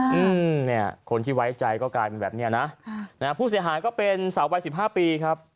เป็น๓คนคนที่ไว้ใจก็กลายเป็นแบบนี้นะผู้เสียหายก็เป็นสาววัย๑๕ปีครับ